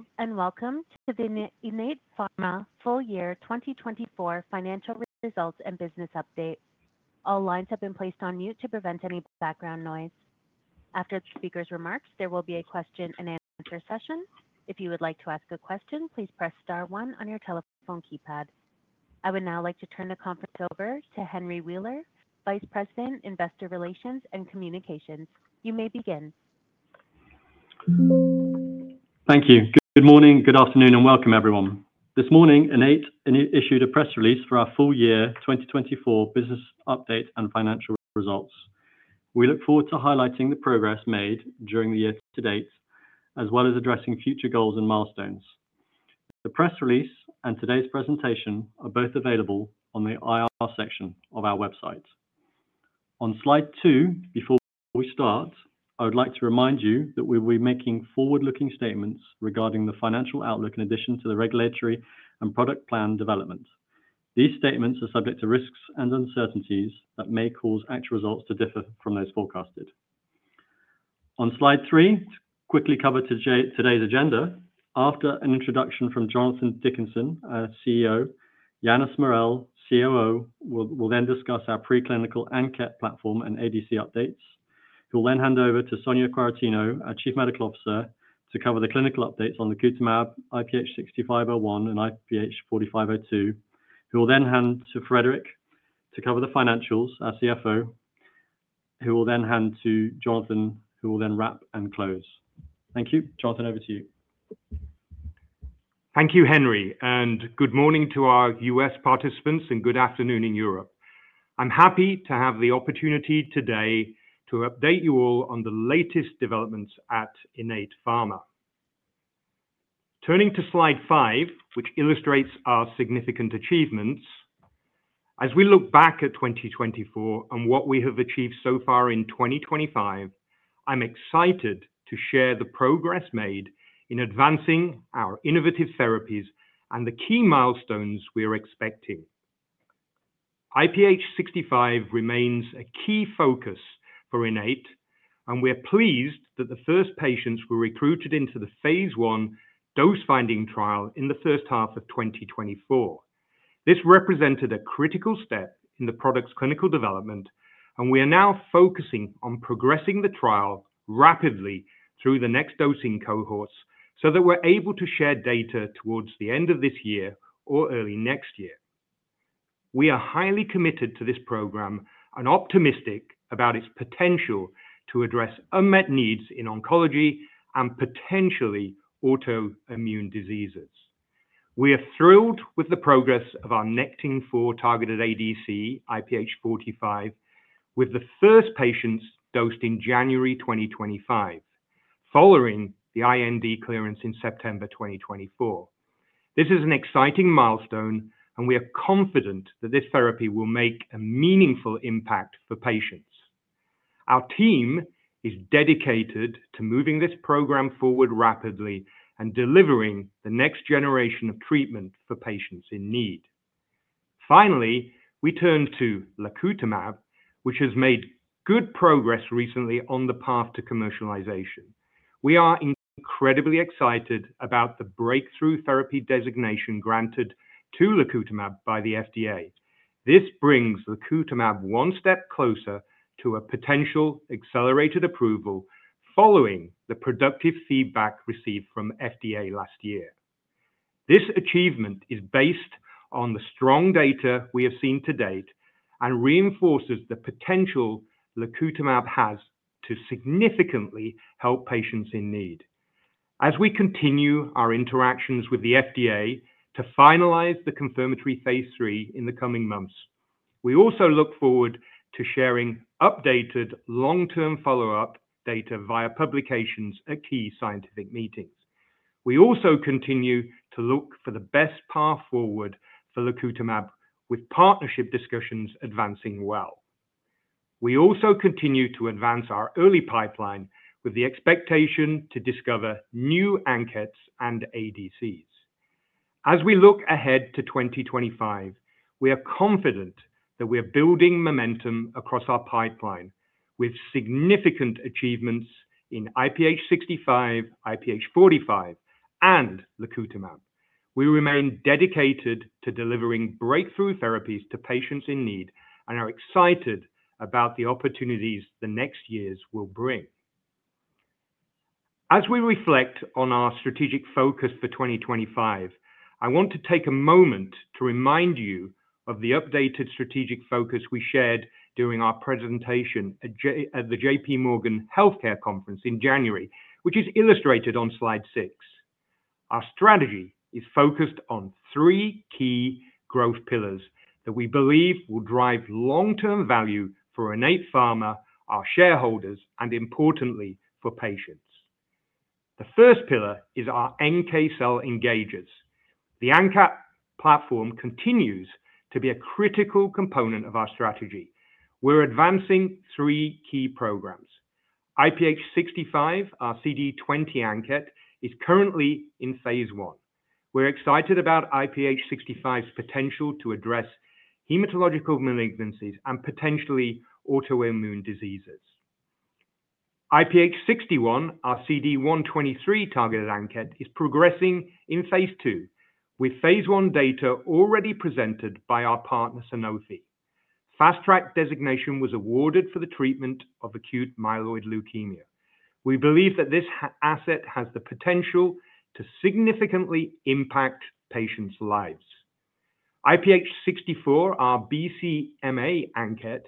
Hello, and welcome to the Innate Pharma full year 2024 financial results and business update. All lines have been placed on mute to prevent any background noise. After the speaker's remarks, there will be a question-and-answer session. If you would like to ask a question, please press star one on your telephone keypad. I would now like to turn the conference over to Henry Wheeler, Vice President, Investor Relations and Communications. You may begin. Thank you. Good morning, good afternoon, and welcome, everyone. This morning, Innate issued a press release for our full year 2024 business update and financial results. We look forward to highlighting the progress made during the year to date, as well as addressing future goals and milestones. The press release and today's presentation are both available on the IR section of our website. On slide two, before we start, I would like to remind you that we will be making forward-looking statements regarding the financial outlook in addition to the regulatory and product plan development. These statements are subject to risks and uncertainties that may cause actual results to differ from those forecasted. On slide three, to quickly cover today's agenda, after an introduction from Jonathan Dickinson, our CEO, Yannis Morel, COO, will then discuss our pre-clinical and ANKET platform and ADC updates. He'll then hand over to Sonia Quaratino, our Chief Medical Officer, to cover the clinical updates on the IPH6501 and IPH4502. He'll then hand to Frédéric to cover the financials, our CFO, who will then hand to Jonathan, who will then wrap and close. Thank you, Jonathan, over to you. Thank you, Henry, and good morning to our US participants and good afternoon in Europe. I'm happy to have the opportunity today to update you all on the latest developments at Innate Pharma. Turning to slide five, which illustrates our significant achievements, as we look back at 2024 and what we have achieved so far in 2025, I'm excited to share the progress made in advancing our innovative therapies and the key milestones we are expecting. IPH6501 remains a key focus for Innate, and we are pleased that the first patients were recruited into the phase one dose-finding trial in the first half of 2024. This represented a critical step in the product's clinical development, and we are now focusing on progressing the trial rapidly through the next dosing cohorts so that we're able to share data towards the end of this year or early next year. We are highly committed to this program and optimistic about its potential to address unmet needs in oncology and potentially autoimmune diseases. We are thrilled with the progress of our Nectin-4 targeted ADC, IPH4502, with the first patients dosed in January 2025, following the IND clearance in September 2024. This is an exciting milestone, and we are confident that this therapy will make a meaningful impact for patients. Our team is dedicated to moving this program forward rapidly and delivering the next generation of treatment for patients in need. Finally, we turn to lacutamab, which has made good progress recently on the path to commercialization. We are incredibly excited about the breakthrough therapy designation granted to lacutamab by the FDA. This brings lacutamab one step closer to a potential accelerated approval following the productive feedback received from FDA last year. This achievement is based on the strong data we have seen to date and reinforces the potential lacutamab has to significantly help patients in need. As we continue our interactions with the FDA to finalize the confirmatory phase three in the coming months, we also look forward to sharing updated long-term follow-up data via publications at key scientific meetings. We also continue to look for the best path forward for lacutamab, with partnership discussions advancing well. We also continue to advance our early pipeline with the expectation to discover new ANKETs and ADCs. As we look ahead to 2025, we are confident that we are building momentum across our pipeline with significant achievements in IPH6501, IPH4502, and lacutamab. We remain dedicated to delivering breakthrough therapies to patients in need and are excited about the opportunities the next years will bring. As we reflect on our strategic focus for 2025, I want to take a moment to remind you of the updated strategic focus we shared during our presentation at the J.P. Morgan Healthcare Conference in January, which is illustrated on slide six. Our strategy is focused on three key growth pillars that we believe will drive long-term value for Innate Pharma, our shareholders, and importantly, for patients. The first pillar is our NK cell engagers. The ANKET platform continues to be a critical component of our strategy. We're advancing three key programs. IPH6501, our CD20 ANKET, is currently in phase I. We're excited about IPH6501's potential to address hematological malignancies and potentially autoimmune diseases. IPH6101, our CD123 targeted ANKET, is progressing in phase II, with phase I data already presented by our partner, Sanofi. FastTrack designation was awarded for the treatment of acute myeloid leukemia. We believe that this asset has the potential to significantly impact patients' lives. IPH6401, our BCMA ANKET,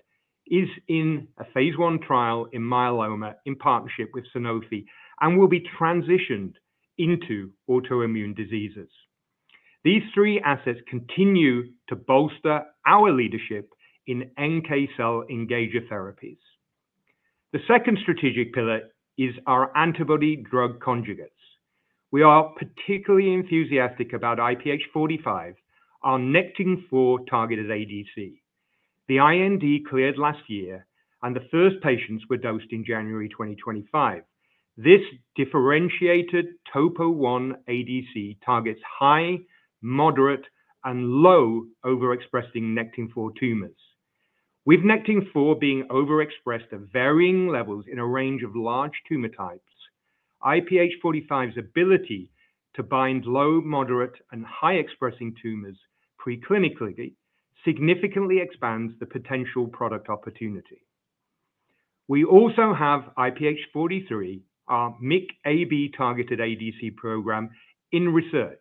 is in a phase I trial in myeloma in partnership with Sanofi and will be transitioned into autoimmune diseases. These three assets continue to bolster our leadership in NK cell engager therapies. The second strategic pillar is our antibody-drug conjugates. We are particularly enthusiastic about IPH4502, our Nectin-4 targeted ADC. The IND cleared last year, and the first patients were dosed in January 2025. This differentiated topo I ADC targets high, moderate, and low overexpressing Nectin-4 tumors. With Nectin-4 being overexpressed at varying levels in a range of large tumor types, IPH4502's ability to bind low, moderate, and high-expressing tumors pre-clinically significantly expands the potential product opportunity. We also have IPH4302, our MIC-A/B targeted ADC program in research,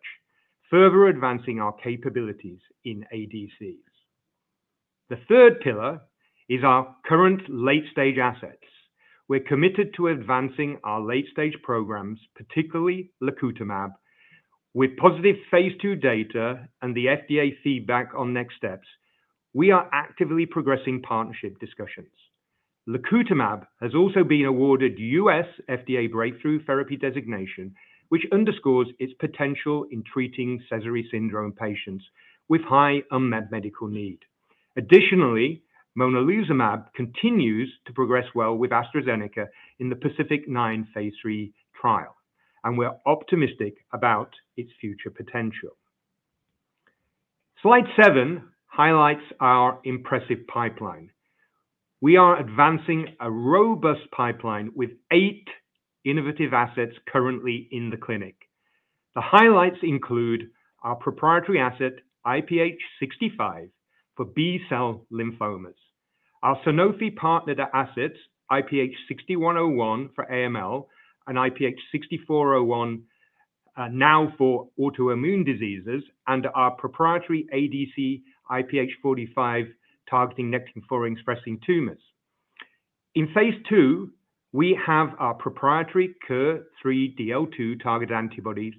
further advancing our capabilities in ADCs. The third pillar is our current late-stage assets. We're committed to advancing our late-stage programs, particularly lacutamab. With positive phase two data and the FDA feedback on next steps, we are actively progressing partnership discussions. Lacutamab has also been awarded U.S. FDA breakthrough therapy designation, which underscores its potential in treating Sézary syndrome patients with high unmet medical need. Additionally, monalizumab continues to progress well with AstraZeneca in the PACIFIC-9 phase three trial, and we're optimistic about its future potential. Slide seven highlights our impressive pipeline. We are advancing a robust pipeline with eight innovative assets currently in the clinic. The highlights include our proprietary asset, IPH6501, for B-cell lymphomas. Our Sanofi partnered assets, IPH6101 for AML and IPH6401 now for autoimmune diseases, and our proprietary ADC, IPH4502, targeting Nectin-4 expressing tumors. In phase two, we have our proprietary KIR3DL2 targeted antibody,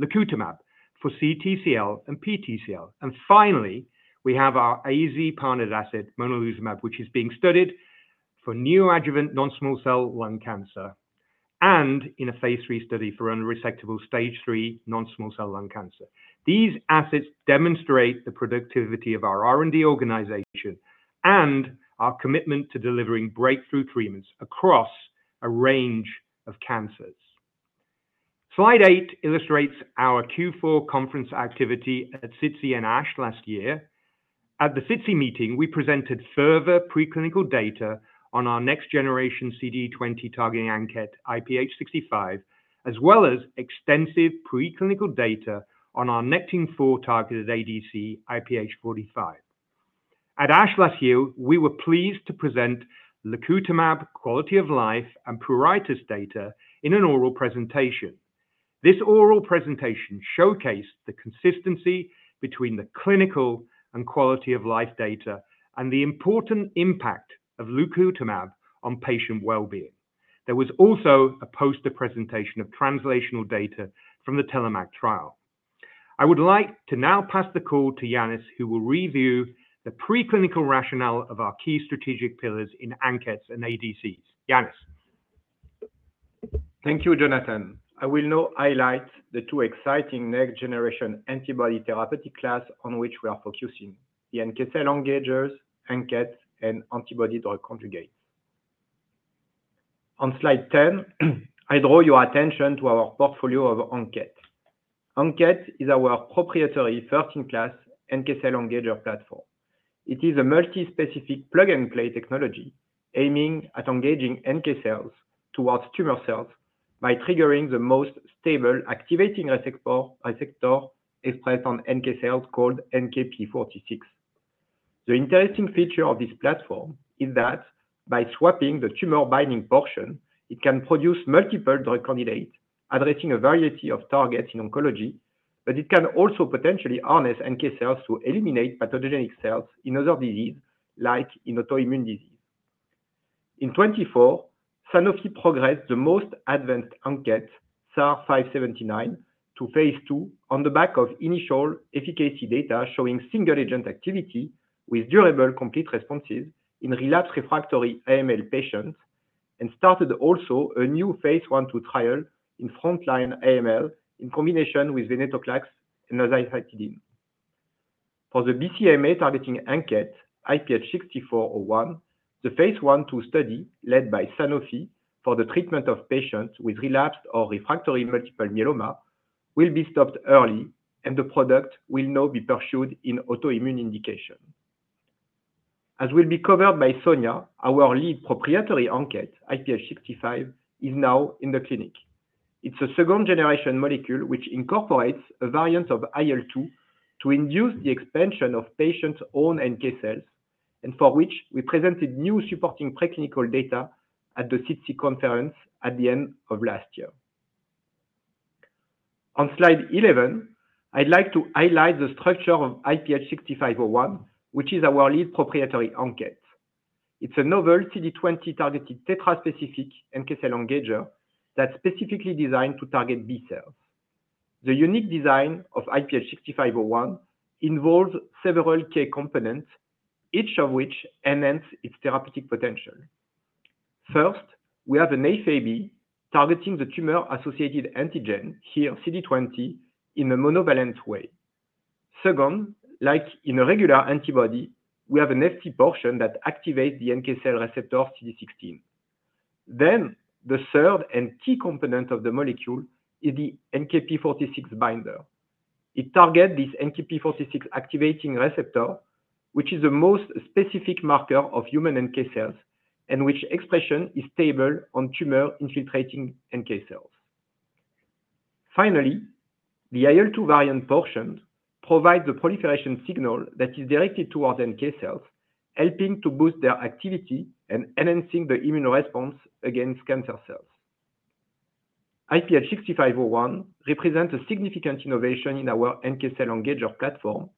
lacutamab, for CTCL and PTCL. Finally, we have our AstraZeneca partnered asset, monalizumab, which is being studied for neoadjuvant non-small cell lung cancer and in a phase three study for unresectable stage three non-small cell lung cancer. These assets demonstrate the productivity of our R&D organization and our commitment to delivering breakthrough treatments across a range of cancers. Slide eight illustrates our Q4 conference activity at SITC and ASH last year. At the SITC meeting, we presented further pre-clinical data on our next generation CD20 targeting ANKET, IPH6501, as well as extensive pre-clinical data on our Nectin-4 targeted ADC, IPH4502. At ASH last year, we were pleased to present lacutamab quality of life and pruritus data in an oral presentation. This oral presentation showcased the consistency between the clinical and quality of life data and the important impact of lacutamab on patient well-being. There was also a poster presentation of translational data from the TELLOMAK study. I would like to now pass the call to Yannis, who will review the pre-clinical rationale of our key strategic pillars in ANKETs and ADCs. Yannis. Thank you, Jonathan. I will now highlight the two exciting next generation antibody therapeutic classes on which we are focusing: the NK cell engagers, ANKET, and antibody-drug conjugates. On slide 10, I draw your attention to our portfolio of ANKET. ANKET is our proprietary first-in-class NK cell engager platform. It is a multi-specific plug-and-play technology aiming at engaging NK cells towards tumor cells by triggering the most stable activating receptor expressed on NK cells called NKp46. The interesting feature of this platform is that by swapping the tumor binding portion, it can produce multiple drug candidates addressing a variety of targets in oncology, but it can also potentially harness NK cells to eliminate pathogenic cells in other diseases like in autoimmune disease. In 2024, Sanofi progressed the most advanced ANKET, SAR443579/IPH6101, to phase two on the back of initial efficacy data showing single-agent activity with durable complete responses in relapsed refractory AML patients and started also a new phase one trial in frontline AML in combination with Venetoclax and Azacitidine. For the BCMA targeting ANKET, IPH6401, the phase one study led by Sanofi for the treatment of patients with relapsed or refractory multiple myeloma will be stopped early, and the product will now be pursued in autoimmune indication. As will be covered by Sonia, our lead proprietary ANKET, IPH6501, is now in the clinic. It's a second-generation molecule which incorporates a variant of IL-2 to induce the expansion of patients' own NK cells, and for which we presented new supporting preclinical data at the SITC conference at the end of last year. On slide 11, I'd like to highlight the structure of IPH6501, which is our lead proprietary ANKET. It's a novel CD20 targeted tetraspecific NK cell engager that's specifically designed to target B cells. The unique design of IPH6501 involves several key components, each of which enhances its therapeutic potential. First, we have an Fab targeting the tumor-associated antigen, here CD20, in a monovalent way. Second, like in a regular antibody, we have an Fc portion that activates the NK cell receptor CD16. The third and key component of the molecule is the NKp46 binder. It targets this NKp46 activating receptor, which is the most specific marker of human NK cells and which expression is stable on tumor-infiltrating NK cells. Finally, the IL-2 variant portion provides the proliferation signal that is directed towards NK cells, helping to boost their activity and enhancing the immune response against cancer cells. IPH6501 represents a significant innovation in our NK cell engager platform,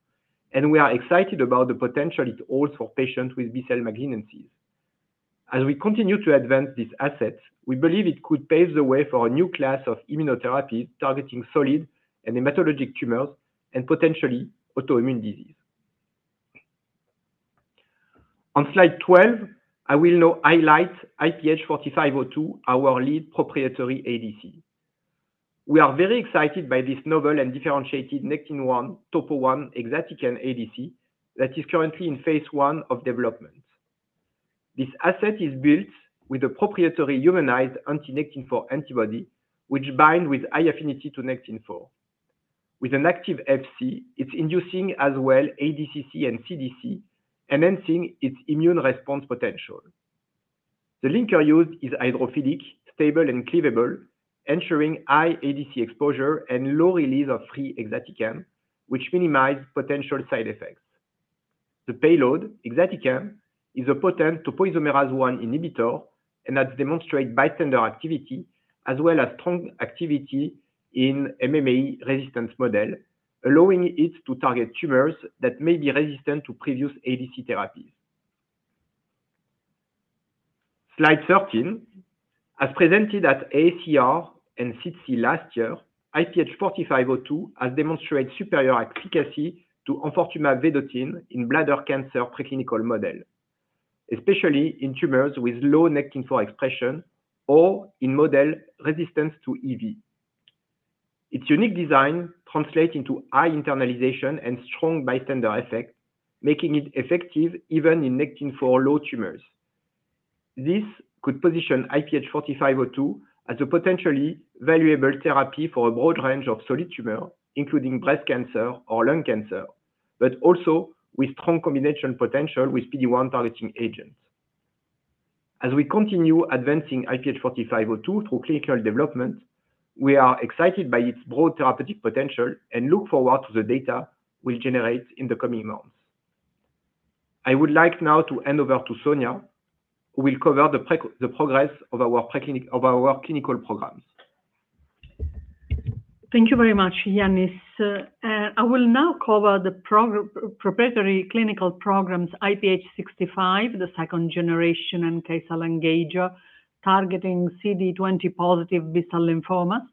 and we are excited about the potential it holds for patients with B cell malignancies. As we continue to advance this asset, we believe it could pave the way for a new class of immunotherapies targeting solid and hematologic tumors and potentially autoimmune disease. On slide 12, I will now highlight IPH4502, our lead proprietary ADC. We are very excited by this novel and differentiated Nectin-4 topo I exatecan ADC that is currently in phase I of development. This asset is built with a proprietary humanized anti-Nectin-4 antibody which binds with high affinity to Nectin-4. With an active Fc, it is inducing as well ADCC and CDC, enhancing its immune response potential. The linker used is hydrophilic, stable, and cleavable, ensuring high ADC exposure and low release of free exatecan payload, which minimizes potential side effects. The payload, exatecan, is a potent topoisomerase I inhibitor and has demonstrated bystander activity as well as strong activity in MMAE resistance model, allowing it to target tumors that may be resistant to previous ADC therapies. Slide 13. As presented at AACR and SITC last year, IPH4502 has demonstrated superior efficacy to enfortumab vedotin in bladder cancer preclinical model, especially in tumors with low Nectin-4 expression or in model resistance to EV. Its unique design translates into high internalization and strong bystander effect, making it effective even in Nectin-4 low tumors. This could position IPH4502 as a potentially valuable therapy for a broad range of solid tumors, including breast cancer or lung cancer, but also with strong combination potential with PD1 targeting agents. As we continue advancing IPH4502 through clinical development, we are excited by its broad therapeutic potential and look forward to the data we'll generate in the coming months. I would like now to hand over to Sonia, who will cover the progress of our clinical programs. Thank you very much, Yannis. I will now cover the proprietary clinical programs, IPH6501, the second-generation NK cell engager targeting CD20 positive B cell lymphomas,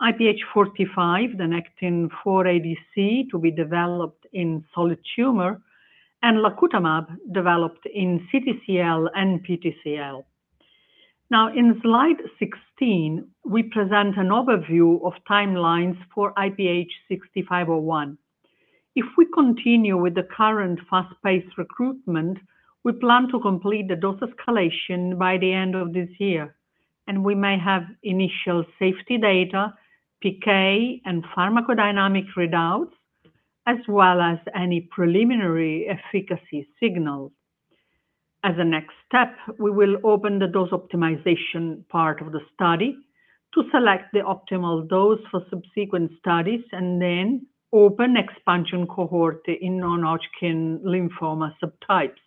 IPH4502, the Nectin-4 ADC to be developed in solid tumor, and lacutamab developed in CTCL and PTCL. Now, in slide 16, we present an overview of timelines for IPH6501. If we continue with the current fast-paced recruitment, we plan to complete the dose escalation by the end of this year, and we may have initial safety data, PK, and pharmacodynamic readouts, as well as any preliminary efficacy signals. As a next step, we will open the dose optimization part of the study to select the optimal dose for subsequent studies and then open expansion cohort in non-Hodgkin lymphoma subtypes.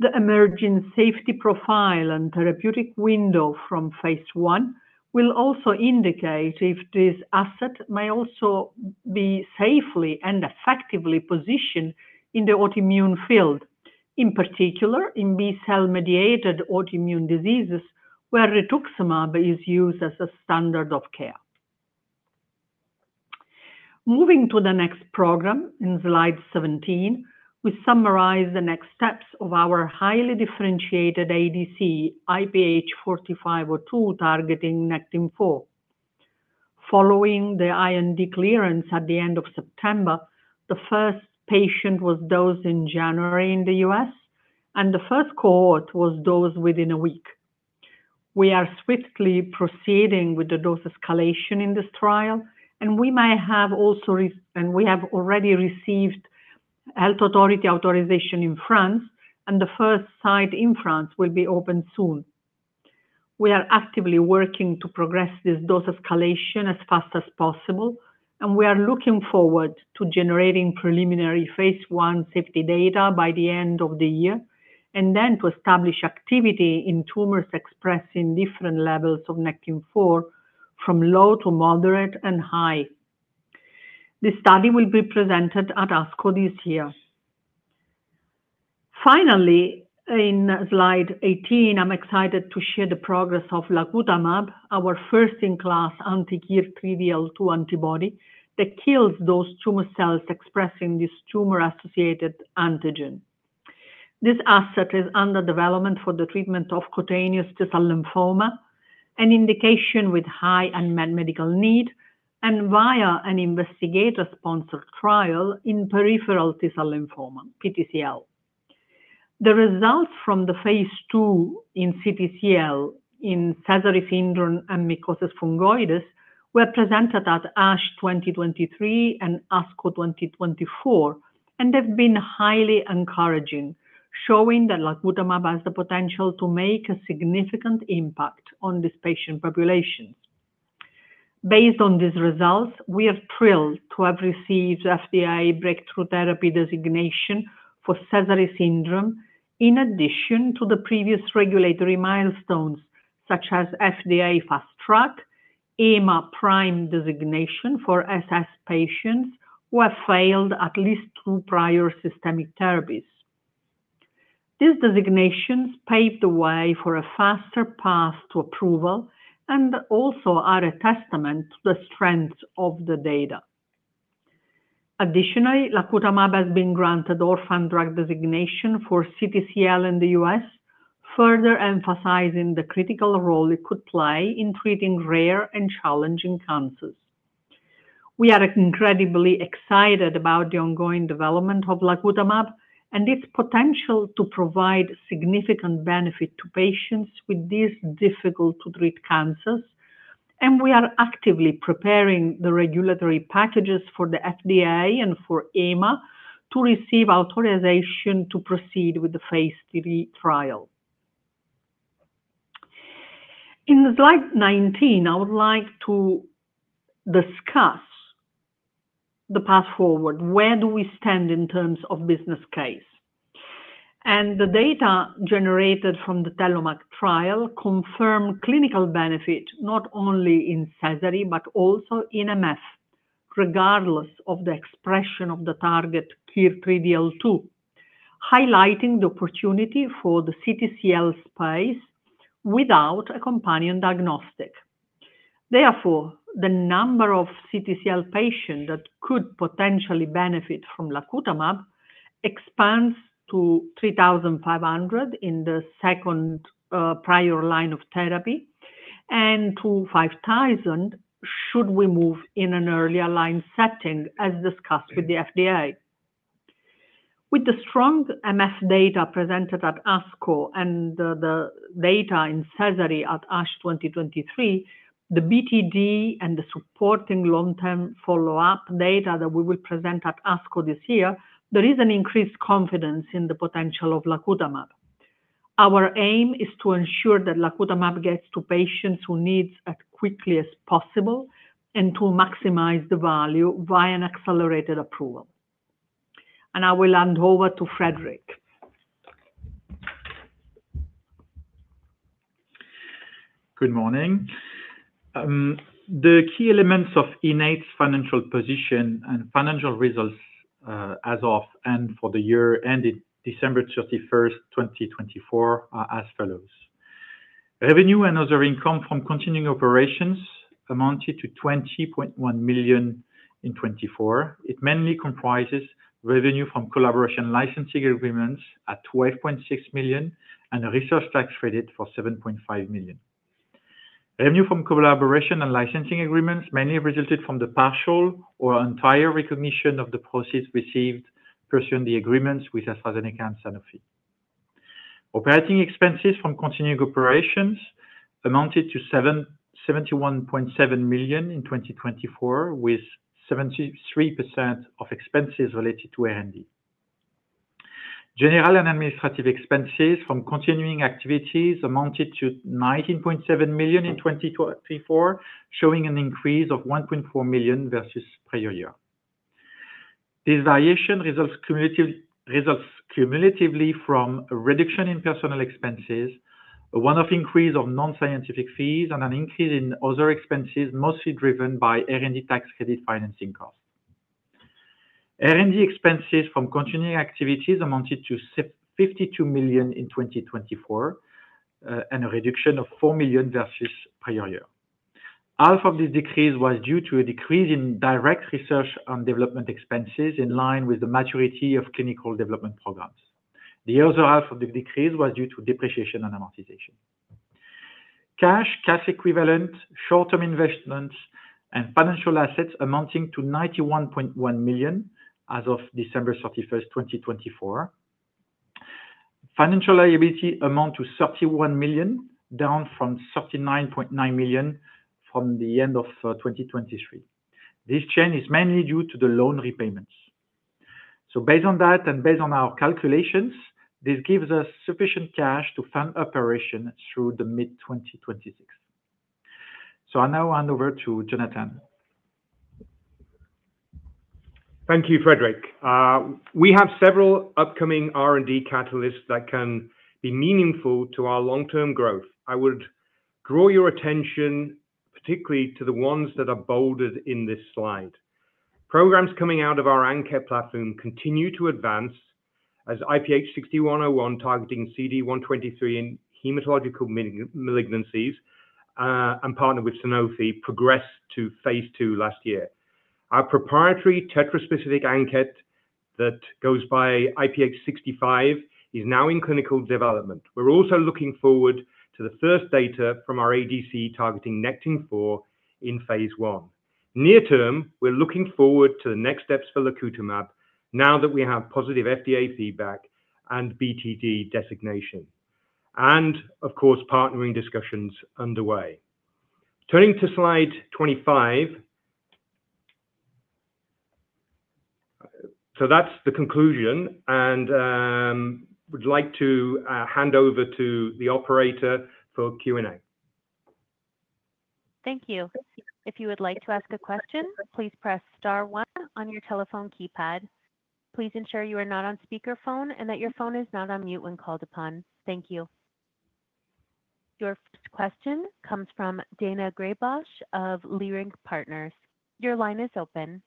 The emerging safety profile and therapeutic window from phase I will also indicate if this asset may also be safely and effectively positioned in the autoimmune field, in particular in B cell mediated autoimmune diseases where rituximab is used as a standard of care. Moving to the next program, in slide 17, we summarize the next steps of our highly differentiated ADC, IPH4502 targeting Nectin-4. Following the IND clearance at the end of September, the first patient was dosed in January in the U.S., and the first cohort was dosed within a week. We are swiftly proceeding with the dose escalation in this trial, and we may have also already received health authority authorization in France, and the first site in France will be opened soon. We are actively working to progress this dose escalation as fast as possible, and we are looking forward to generating preliminary phase one safety data by the end of the year and then to establish activity in tumors expressing different levels of Nectin-4 from low to moderate and high. This study will be presented at ASCO this year. Finally, in slide 18, I'm excited to share the progress of lacutamab, our first-in-class anti-KIR3DL2 antibody that kills those tumor cells expressing this tumor-associated antigen. This asset is under development for the treatment of cutaneous T-cell lymphoma, an indication with high unmet medical need, and via an investigator-sponsored trial in peripheral T-cell lymphoma, PTCL. The results from the phase two in CTCL in Sézary syndrome and mycosis fungoides were presented at ASH 2023 and ASCO 2024, and they've been highly encouraging, showing that lacutamab has the potential to make a significant impact on these patient populations. Based on these results, we are thrilled to have received FDA breakthrough therapy designation for Sézary syndrome in addition to the previous regulatory milestones such as FDA fast track, EMA PRIME designation for SS patients who have failed at least two prior systemic therapies. These designations paved the way for a faster path to approval and also are a testament to the strength of the data. Additionally, lacutamab has been granted orphan drug designation for CTCL in the U.S., further emphasizing the critical role it could play in treating rare and challenging cancers. We are incredibly excited about the ongoing development of lacutamab and its potential to provide significant benefit to patients with these difficult-to-treat cancers, and we are actively preparing the regulatory packages for the FDA and for EMA to receive authorization to proceed with the phase three trial. In slide 19, I would like to discuss the path forward. Where do we stand in terms of business case? The data generated from the TELLOMAK trial confirmed clinical benefit not only in Sézary but also in MF, regardless of the expression of the target KIR3DL2, highlighting the opportunity for the CTCL space without a companion diagnostic. Therefore, the number of CTCL patients that could potentially benefit from lacutamab expands to 3,500 in the second prior line of therapy and to 5,000 should we move in an earlier line setting as discussed with the FDA. With the strong MF data presented at ASCO and the data in Sézary at ASH 2023, the BTD, and the supporting long-term follow-up data that we will present at ASCO this year, there is an increased confidence in the potential of lacutamab. Our aim is to ensure that lacutamab gets to patients who need it as quickly as possible and to maximize the value via an accelerated approval. I will hand over to Frédéric. Good morning. The key elements of Innate's financial position and financial results as of and for the year ended December 31, 2024, are as follows. Revenue and other income from continuing operations amounted to 20.1 million in 2024. It mainly comprises revenue from collaboration licensing agreements at 12.6 million and a research tax credit for 7.5 million. Revenue from collaboration and licensing agreements mainly resulted from the partial or entire recognition of the proceeds received pursuing the agreements with AstraZeneca and Sanofi. Operating expenses from continuing operations amounted to 71.7 million in 2024, with 73% of expenses related to R&D. General and administrative expenses from continuing activities amounted to 19.7 million in 2024, showing an increase of 1.4 million versus the prior year. This variation results cumulatively from a reduction in personnel expenses, a one-off increase of non-scientific fees, and an increase in other expenses mostly driven by R&D tax credit financing costs. R&D expenses from continuing activities amounted to 52 million in 2024 and a reduction of 4 million versus the prior year. Half of this decrease was due to a decrease in direct research and development expenses in line with the maturity of clinical development programs. The other half of the decrease was due to depreciation and amortization. Cash, cash equivalent, short-term investments, and financial assets amounting to 91.1 million as of December 31, 2024. Financial liability amounted to 31 million, down from 39.9 million from the end of 2023. This change is mainly due to the loan repayments. Based on that and based on our calculations, this gives us sufficient cash to fund operations through the mid-2026. I now hand over to Jonathan. Thank you, Frédéric. We have several upcoming R&D catalysts that can be meaningful to our long-term growth. I would draw your attention particularly to the ones that are bolded in this slide. Programs coming out of our ANKET platform continue to advance as IPH6101 targeting CD123 in hematological malignancies and partnered with Sanofi progressed to phase two last year. Our proprietary tetraspecific ANKET that goes by IPH6501 is now in clinical development. We're also looking forward to the first data from our ADC targeting Nectin-4 in phase one. Near term, we're looking forward to the next steps for lacutamab now that we have positive FDA feedback and BTD designation. Of course, partnering discussions underway. Turning to slide 25. That is the conclusion, and I would like to hand over to the operator for Q&A. Thank you. If you would like to ask a question, please press star one on your telephone keypad. Please ensure you are not on speakerphone and that your phone is not on mute when called upon. Thank you. Your first question comes from Daina Graybosch of Leerink Partners. Your line is open.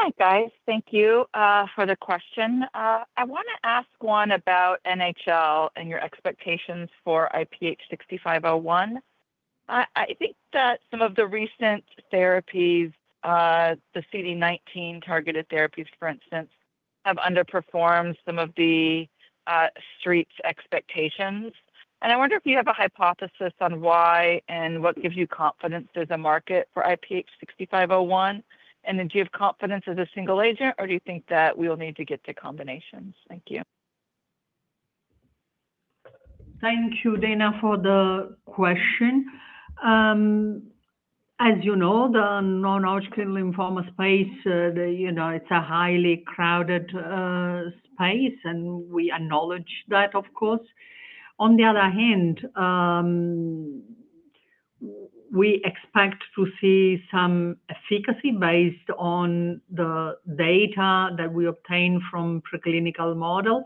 Hi, guys. Thank you for the question. I want to ask one about NHL and your expectations for IPH6501. I think that some of the recent therapies, the CD19 targeted therapies, for instance, have underperformed some of the street's expectations. I wonder if you have a hypothesis on why and what gives you confidence there's a market for IPH6501, and do you have confidence as a single agent, or do you think that we will need to get to combinations? Thank you. Thank you, Daina, for the question. As you know, the non-Hodgkin lymphoma space, it's a highly crowded space, and we acknowledge that, of course. On the other hand, we expect to see some efficacy based on the data that we obtained from preclinical models,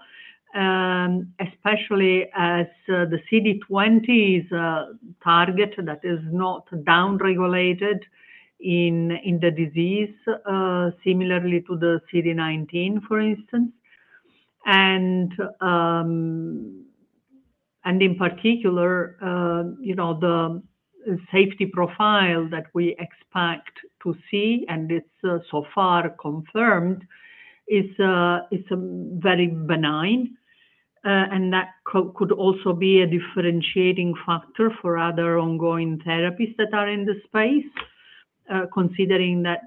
especially as the CD20 is a target that is not downregulated in the disease, similarly to the CD19, for instance. In particular, the safety profile that we expect to see, and it's so far confirmed, is very benign, and that could also be a differentiating factor for other ongoing therapies that are in the space, considering that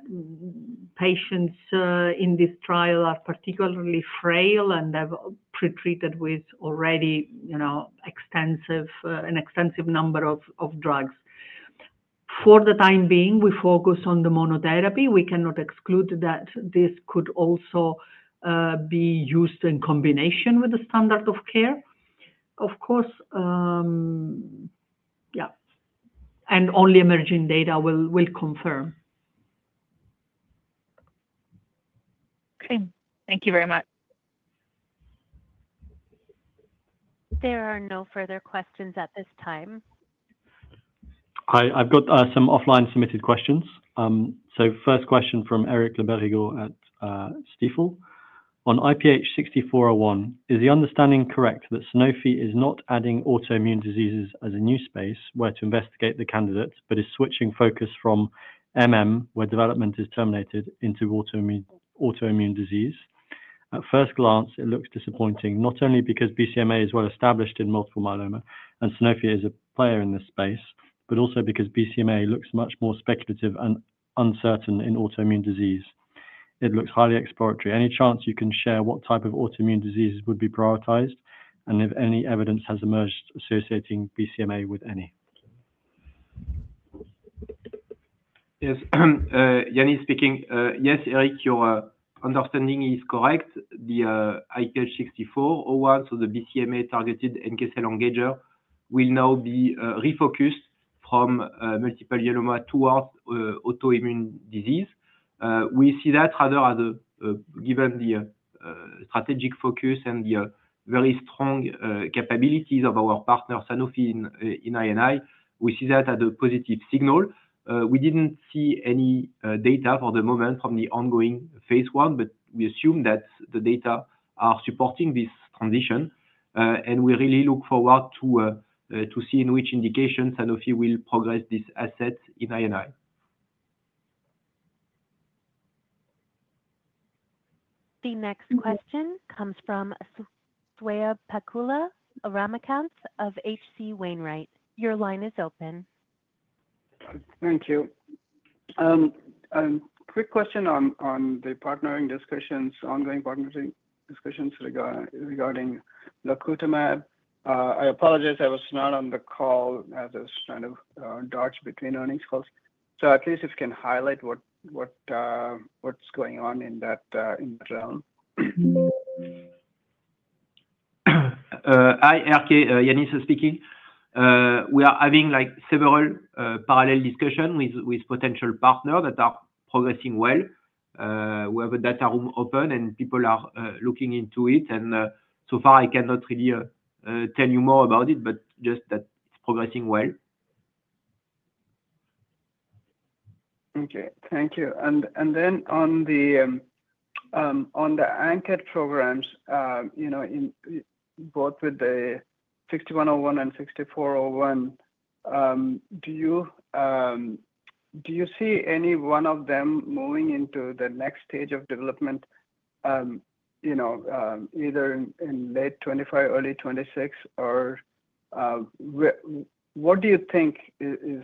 patients in this trial are particularly frail and have pretreated with already an extensive number of drugs. For the time being, we focus on the monotherapy. We cannot exclude that this could also be used in combination with the standard of care, of course. Yeah. Only emerging data will confirm. Okay. Thank you very much. There are no further questions at this time. I've got some offline submitted questions. First question from Eric Le berrigaud at Stifel. On IPH6401, is the understanding correct that Sanofi is not adding autoimmune diseases as a new space where to investigate the candidate, but is switching focus from where development is terminated into autoimmune disease? At first glance, it looks disappointing, not only because BCMA is well established in multiple myeloma and Sanofi is a player in this space, but also because BCMA looks much more speculative and uncertain in autoimmune disease. It looks highly exploratory. Any chance you can share what type of autoimmune diseases would be prioritized and if any evidence has emerged associating BCMA with any? Yes. Yannis speaking. Yes, Eric, your understanding is correct. The IPH6401, so the BCMA-targeted NK cell engager, will now be refocused from multiple myeloma towards autoimmune disease. We see that rather as given the strategic focus and the very strong capabilities of our partner Sanofi in I&I, we see that as a positive signal. We did not see any data for the moment from the ongoing phase one, but we assume that the data are supporting this transition, and we really look forward to seeing which indications Sanofi will progress this asset in I&I. The next question comes from Swayampakula Ramakanth of HC Wainwright. Your line is open. Thank you. Quick question on the partnering discussions, ongoing partnering discussions regarding lacutamab. I apologize. I was not on the call as I was trying to dodge between earnings calls. At least if you can highlight what's going on in that realm. Hi, Eric. Yannis speaking. We are having several parallel discussions with potential partners that are progressing well. We have a data room open, and people are looking into it. So far, I cannot really tell you more about it, just that it is progressing well. Okay. Thank you. Then on the ANKET programs, both with the 6101 and 6401, do you see any one of them moving into the next stage of development, either in late 2025, early 2026? What do you think is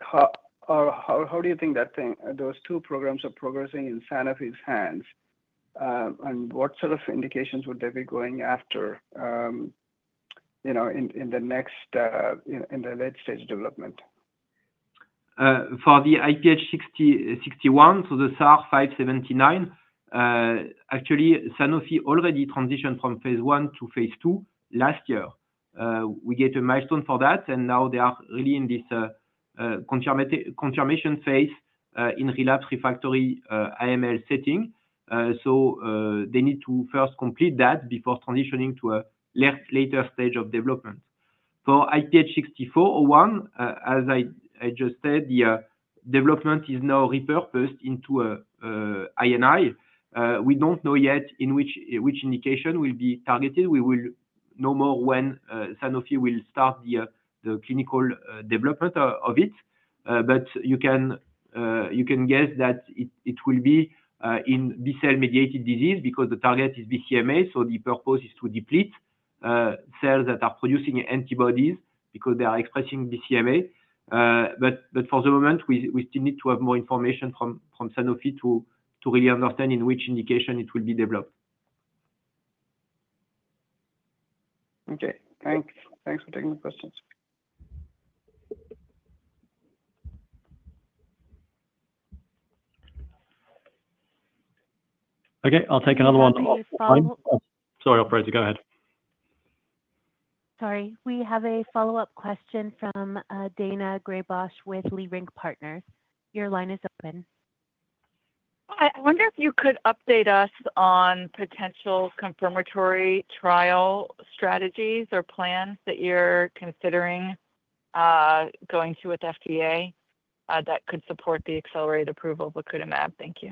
how do you think that those two programs are progressing in Sanofi's hands? What sort of indications would they be going after in the next in the late stage development? For the IPH6101, so the SAR 579, actually, Sanofi already transitioned from phase one to phase two last year. We get a milestone for that, and now they are really in this confirmation phase in relapsed refractory AML setting. They need to first complete that before transitioning to a later stage of development. For IPH6401, as I just said, the development is now repurposed into I&I. We do not know yet which indication will be targeted. We will know more when Sanofi will start the clinical development of it. You can guess that it will be in B-cell mediated disease because the target is BCMA. The purpose is to deplete cells that are producing antibodies because they are expressing BCMA. For the moment, we still need to have more information from Sanofi to really understand in which indication it will be developed. Okay. Thanks. Thanks for taking the questions. Okay. I'll take another one. Sorry, I'll phrase it. Go ahead. Sorry. We have a follow-up question from Daina Graybosch with Leerink Partners. Your line is open. I wonder if you could update us on potential confirmatory trial strategies or plans that you're considering going to with FDA that could support the accelerated approval of lacutamab. Thank you.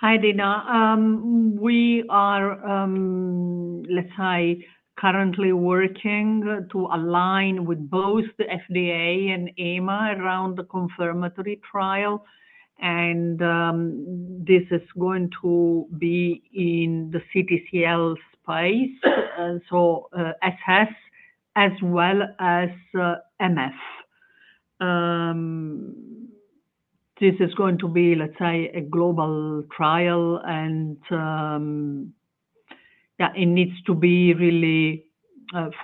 Hi, Daina. We are currently working to align with both the FDA and EMA around the confirmatory trial. This is going to be in the CTCL space, so SS as well as MF. This is going to be, let's say, a global trial. Yeah, it needs to be really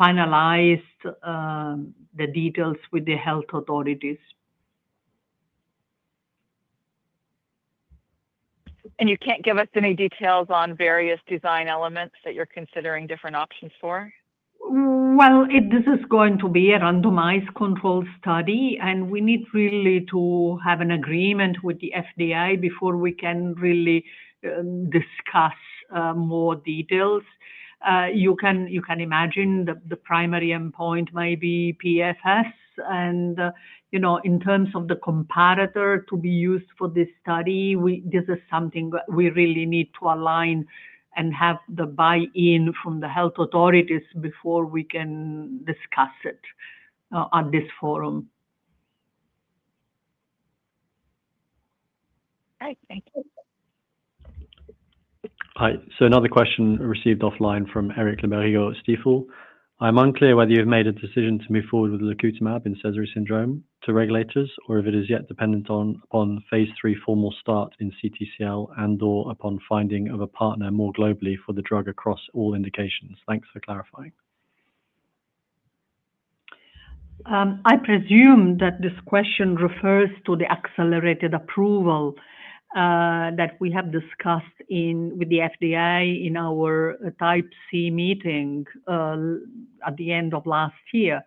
finalized, the details with the health authorities. You cannot give us any details on various design elements that you are considering different options for? This is going to be a randomized control study, and we need really to have an agreement with the FDA before we can really discuss more details. You can imagine the primary endpoint might be PFS. In terms of the comparator to be used for this study, this is something we really need to align and have the buy-in from the health authorities before we can discuss it at this forum. All right. Thank you. Hi. Another question received offline from Eric Le Berrigaud at Stifel. I'm unclear whether you've made a decision to move forward with lacutamab in Sézary syndrome to regulators or if it is yet dependent upon phase three formal start in CTCL and/or upon finding of a partner more globally for the drug across all indications. Thanks for clarifying. I presume that this question refers to the accelerated approval that we have discussed with the FDA in our type C meeting at the end of last year.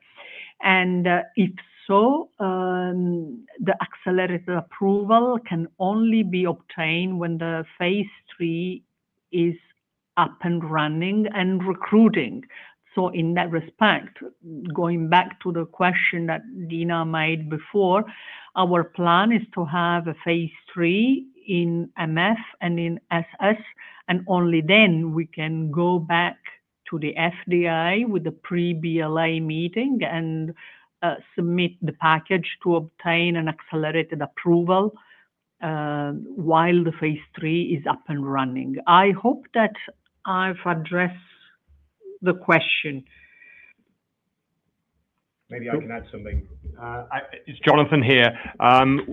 If so, the accelerated approval can only be obtained when the phase three is up and running and recruiting. In that respect, going back to the question that Daina made before, our plan is to have a phase three in MF and in SS, and only then we can go back to the FDA with the pre-BLA meeting and submit the package to obtain an accelerated approval while the phase three is up and running. I hope that I've addressed the question. Maybe I can add something. It's Jonathan here.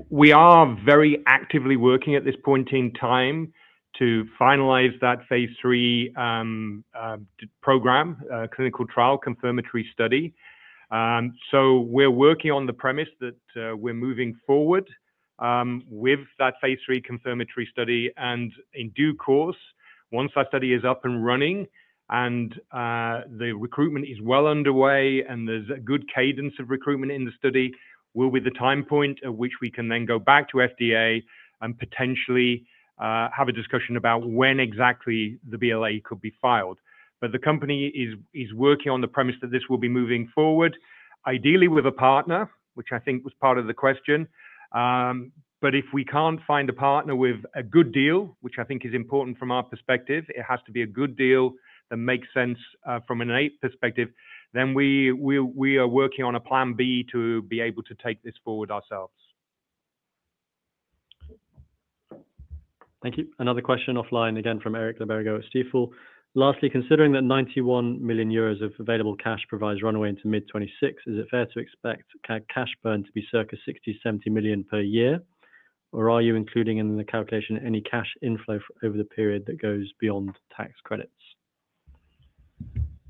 We are very actively working at this point in time to finalize that phase three program, clinical trial confirmatory study. We are working on the premise that we are moving forward with that phase three confirmatory study. In due course, once that study is up and running and the recruitment is well underway and there is a good cadence of recruitment in the study, that will be the time point at which we can then go back to FDA and potentially have a discussion about when exactly the BLA could be filed. The company is working on the premise that this will be moving forward, ideally with a partner, which I think was part of the question. If we cannot find a partner with a good deal, which I think is important from our perspective, it has to be a good deal that makes sense from an Innate perspective, then we are working on a plan B to be able to take this forward ourselves. Thank you. Another question offline again from Eric Le Berrigaud at Stifel. Lastly, considering that 91 million euros of available cash provides runway into mid-2026, is it fair to expect cash burn to be circa 60-70 million per year? Or are you including in the calculation any cash inflow over the period that goes beyond tax credits?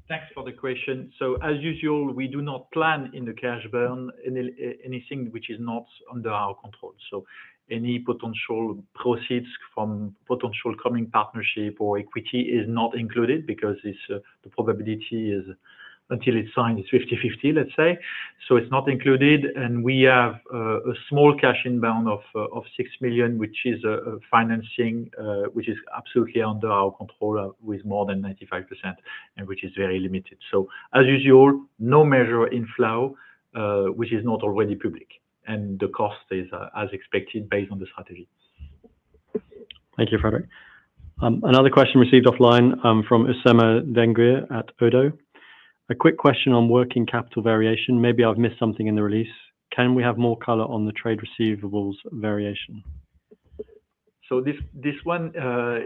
Thanks for the question. As usual, we do not plan in the cash burn anything which is not under our control. Any potential proceeds from potential coming partnership or equity is not included because the probability is until it's signed is 50/50, let's say. It is not included. We have a small cash inbound of 6 million, which is financing which is absolutely under our control with more than 95%, and which is very limited. As usual, no measure in flow which is not already public. The cost is as expected based on the strategy. Thank you, Frédéric. Another question received offline from Oussama Ramzan at Oddo. A quick question on working capital variation. Maybe I've missed something in the release. Can we have more color on the trade receivables variation? This one,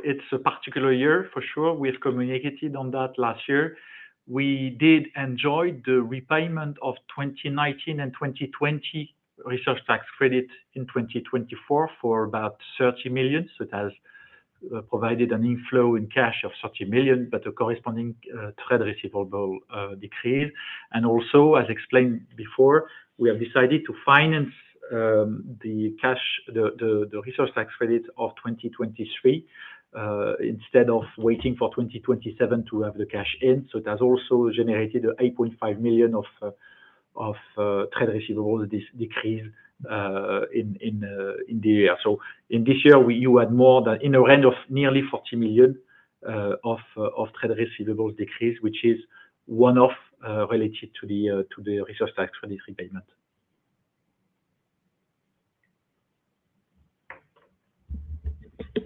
it's a particular year for sure. We've communicated on that last year. We did enjoy the repayment of 2019 and 2020 research tax credit in 2024 for about 30 million. It has provided an inflow in cash of 30 million, but the corresponding trade receivable decreased. Also, as explained before, we have decided to finance the research tax credit of 2023 instead of waiting for 2027 to have the cash in. It has also generated 8.5 million of trade receivables decrease in the year. In this year, you had more than in the range of nearly 40 million of trade receivables decrease, which is one-off related to the research tax credit repayment.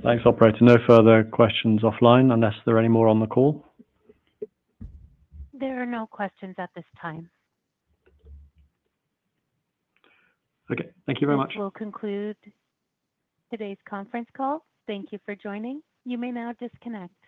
Thanks, Frédéric. No further questions offline unless there are any more on the call. There are no questions at this time. Okay. Thank you very much. We will conclude today's conference call. Thank you for joining. You may now disconnect.